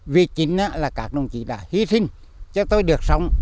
vì chính là các đồng chí đã hy sinh cho tôi được sống